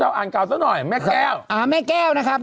อ่านเก่าซะหน่อยแม่แก้วอ่าแม่แก้วนะครับ